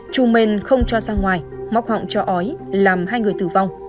chùm mền không cho sang ngoài móc họng cho ói làm hai người tử vong